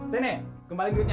sini kembalin duitnya